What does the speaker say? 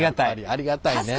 ありがたいね。